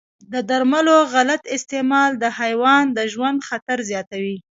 د درملو غلط استعمال د حیوان د ژوند خطر زیاتوي.